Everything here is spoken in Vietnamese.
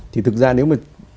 thì thực ra nếu mà